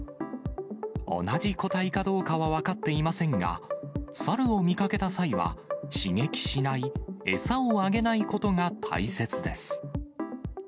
同じ個体かどうかは分かっていませんが、猿を見かけた際は、刺激しない、餌をあげないことが大切です。